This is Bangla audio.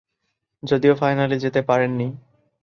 যদিও ফাইনালে যেতে পারেননি।